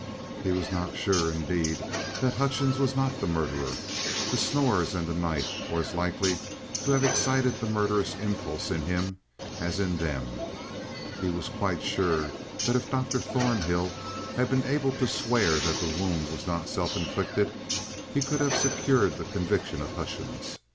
He was not sure, indeed, that Hutchings was not the murderer; the snores and the knife were as likely to have excited the murderous impulse in him as in them. He was quite sure that if Dr. Thornhill had been able to swear that the wound was not self inflicted, he could have secured the conviction of Hutchings.